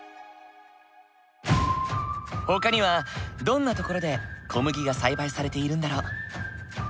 ほかにはどんな所で小麦が栽培されているんだろう？